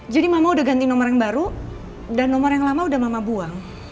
jadi mama udah ganti nomor yang baru dan nomor yang lama udah mama buang